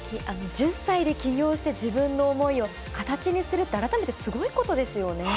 １０歳で起業して自分の思いを形にするって、改めてすごいことですよね。